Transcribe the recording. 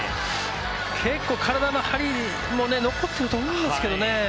結構、体の張りも残っていると思うんですけどね。